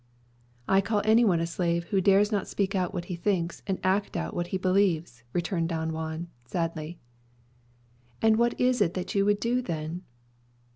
"I call any one a slave who dares not speak out what he thinks, and act out what he believes," returned Don Juan sadly. "And what is it that you would do then?"